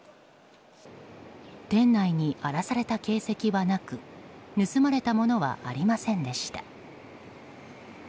店内に荒らされた形跡はなく盗まれたものはありませんでした。